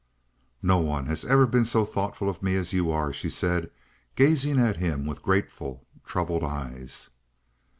"No one has ever been so thoughtful of me as you are," she said, gazing at him with grateful, troubled eyes.